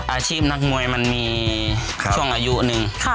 อาชีพนักมวยมันมีช่วงอายุหนึ่ง